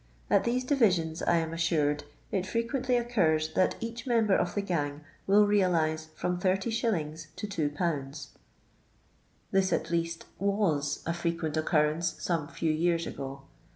At these divisions, I am assured, it Creqm^tly occurs that etich member of the gang will realise from 30^. to 21, — this at least tnu a frequent occurrence some few years ago.